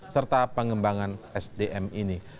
serta pengembangan sdm ini